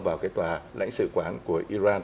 vào cái tòa lãnh sự quán của iran